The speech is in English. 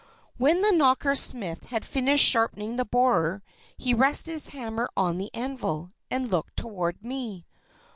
When the Knocker smith had finished sharpening the borer, he rested his hammer on the anvil, and looked toward me.